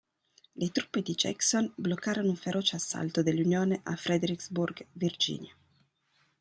Le truppe di Jackson bloccarono un feroce assalto dell'Unione a Fredericksburg, Virginia.